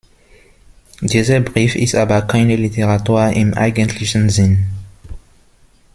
Dieser Brief ist aber keine Literatur im eigentlichen Sinn.